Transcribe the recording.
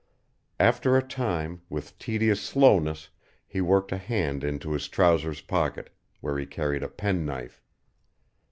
After a time, with tedious slowness, he worked a hand into his trousers' pocket, where he carried a pen knife.